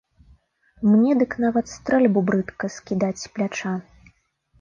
Мне дык нават стрэльбу брыдка скідаць з пляча.